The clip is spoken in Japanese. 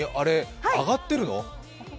上がっているの？